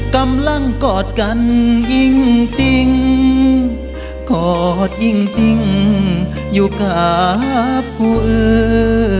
กำลังกอดกันยิ่งติ้งกอดยิ่งติ้งอยู่กับผู้อื่น